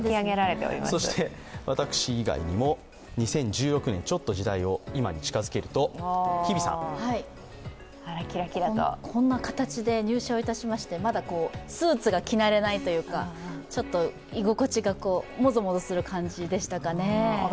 私以外にも２０１６年、ちょっと時代を今に近づけるとこんな形で入社をいたしまして、まだスーツが着慣れないというか、ちょっと居心地がもぞもぞする感じでしたかね。